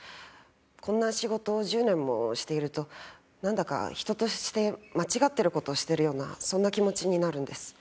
こんな仕事を１０年もしているとなんだか人として間違ってる事をしてるようなそんな気持ちになるんです。